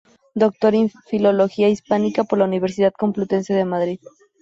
Doctor en Filología hispánica por la Universidad Complutense de Madrid.